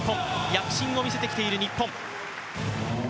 躍進をみせてきている日本。